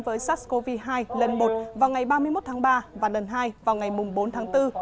với sars cov hai lần một vào ngày ba mươi một tháng ba và lần hai vào ngày bốn tháng bốn